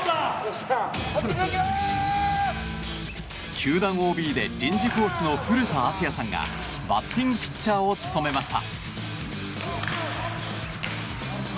球団ＯＢで臨時コーチの古田敦也さんがバッティングピッチャーを務めました。